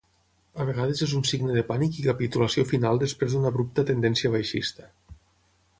A vegades és un signe de pànic i capitulació final després d'una abrupta tendència baixista.